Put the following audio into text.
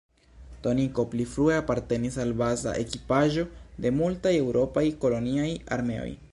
Toniko pli frue apartenis al baza ekipaĵo de multaj eŭropaj koloniaj armeoj.